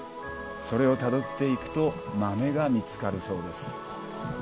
それをたどっていくと豆が見つかるそうです。